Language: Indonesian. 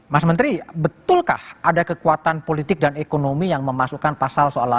mas menteri betulkah ada kekuatan politik dan ekonomi yang memasukkan pasal soal